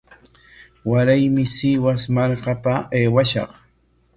Waraymi Sihus markapa aywashaq.